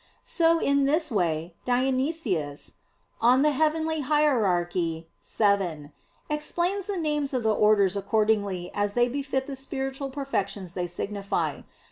So in this way Dionysius (Coel. Hier. vii) explains the names of the orders accordingly as they befit the spiritual perfections they signify.